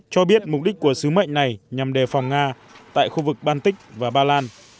cho biết mục đích của sứ mệnh này nhằm đề phòng nga tại khu vực baltic và ba lan